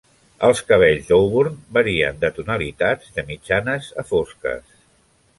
Els cabells d'Auburn varien de tonalitats de mitjanes a fosques.